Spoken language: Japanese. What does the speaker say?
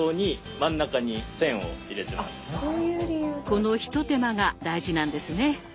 この一手間が大事なんですね。